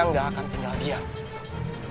saya gak akan tinggal diam